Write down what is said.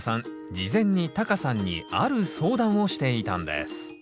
事前にタカさんにある相談をしていたんですん？